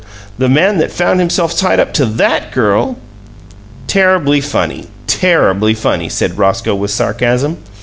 The man that found himself tied up to THAT girl " "Terrible funny, terrible funny!" said Roscoe, with sarcasm.